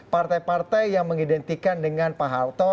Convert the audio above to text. partai partai yang mengidentikan dengan pak harto